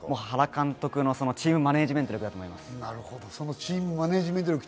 原監督のチームマネジメント力だと思います。